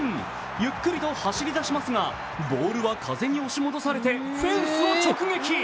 ゆっくりと走り出しますが、ボールは風に押し戻されてフェンスを直撃。